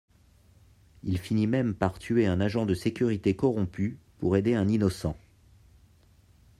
Il finit même par tuer un agent de sécurité corrompu pour aider un innocent.